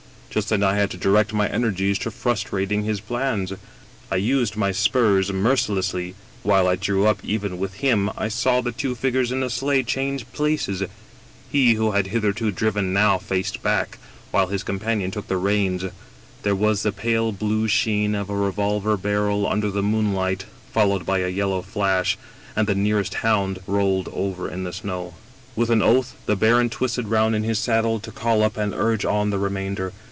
Just then I had to direct my energies to frustrating his plans. I used my spurs merci lessly. While I drew up even with him I saw the two figures in the sleigh change places; he who had hitherto driven now faced back, while his companion took the reins ; there was the pale blue sheen of a revolver barrel under the moonlight, followed by a yellow flash, and the nearest hound rolled over in the snow. " With an oath the baron twisted round in his saddle to call up and urge on the remainder.